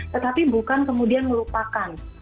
tetapi bukan kemudian melupakan